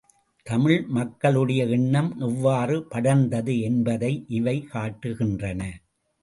தமிழ் மக்களுடைய எண்ணம் எவ்வாறு படர்ந்தது என்பதை இவை காட்டுகின்றன.